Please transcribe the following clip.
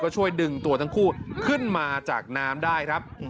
ช่วยดึงตัวทั้งคู่ขึ้นมาจากน้ำได้ครับ